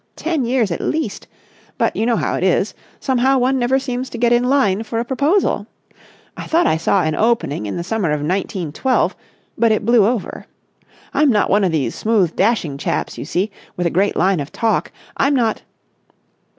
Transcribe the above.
Ten years at least. But you know how it is—somehow one never seems to get in line for a proposal. I thought I saw an opening in the summer of nineteen twelve, but it blew over. I'm not one of these smooth, dashing chaps, you see, with a great line of talk. I'm not...."